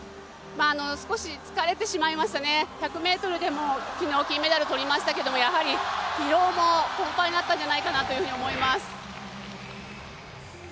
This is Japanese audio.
少しつかれてしまいましたね、１００ｍでも昨日、金メダルとりましたがやはり疲労困ぱいだったんじゃないかなと思います。